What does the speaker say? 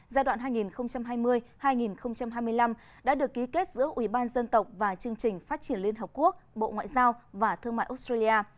giai đoạn hai nghìn hai mươi hai nghìn hai mươi năm đã được ký kết giữa ủy ban dân tộc và chương trình phát triển liên hợp quốc bộ ngoại giao và thương mại australia